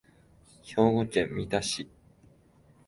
兵庫県三田市